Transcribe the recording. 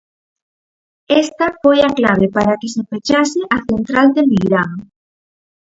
Esta foi a clave para que se pechase a central de Meirama.